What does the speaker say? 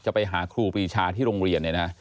จะไปหาครูปรีชาที่โรงเรียน